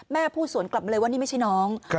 พูดสวนกลับมาเลยว่านี่ไม่ใช่น้อง